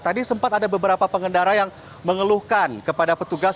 tadi sempat ada beberapa pengendara yang mengeluhkan kepada petugas